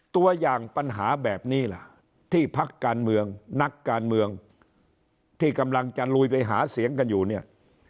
ตัวอย่างปัญหาแบบนี้ล่ะที่พักการเมืองนักการเมืองที่กำลังจะลุยไปหาเสียงกันอยู่เนี่ย